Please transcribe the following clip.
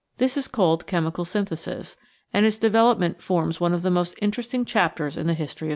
This is called "chemical synthesis," and its development forms one of the most interesting chapters in the history of science.